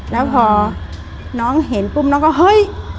แล้วพอน้องเห็นปุ๊บน้องก็เฮ้ย